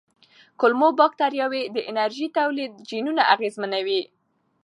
کولمو بکتریاوې د انرژۍ تولید جینونه اغېزمنوي.